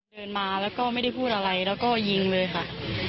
เดินมาแล้วก็ไม่ได้พูดอะไรแล้วก็ยิงเลยค่ะ